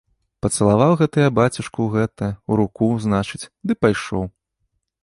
Пацалаваў гэта я бацюшку ў гэтае, у руку, значыць, ды пайшоў.